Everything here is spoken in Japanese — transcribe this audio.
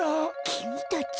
きみたち。